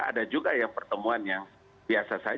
ada juga yang pertemuan yang biasa saja